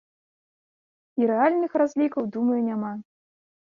І рэальных разлікаў, думаю, няма.